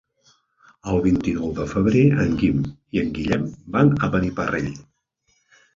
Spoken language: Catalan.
El vint-i-nou de febrer en Guim i en Guillem van a Beniparrell.